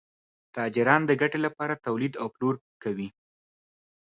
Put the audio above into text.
تاجران د ګټې لپاره تولید او پلور کوي.